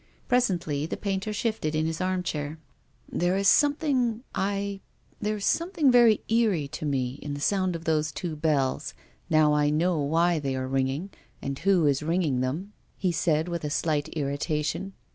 Presently the painter shifted in his armchair. " There is something — I — there is something very eerie to me in the sound of those two bells now I know why they are ringing, and who is ringing them," he said, with a slight irritation.